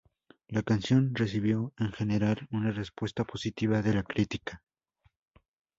La canción recibió en general una respuesta positiva de la crítica.